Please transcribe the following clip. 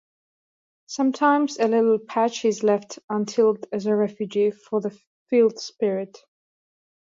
Sometimes a little patch is left untilled as a refuge for the field spirit.